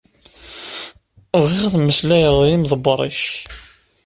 Bɣiɣ ad meslayeɣ d yimḍebber-ik.